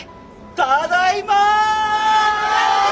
ただいま！